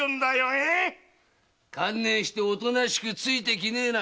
エ⁉観念しておとなしくついてきな。